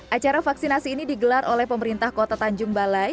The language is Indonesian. acara vaksinasi ini digelar oleh pemerintah kota tanjung balai